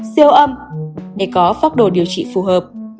siêu âm để có pháp đồ điều trị phù hợp